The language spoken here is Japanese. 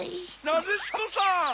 ・なでしこさん！